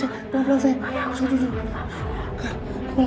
aku mau tidur